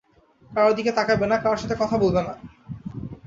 কারো দিকে তাকাবে না, কারো সাথে কথা বলবে না।